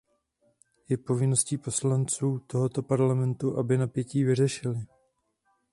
Je povinností poslanců tohoto Parlamentu, aby napětí vyřešili.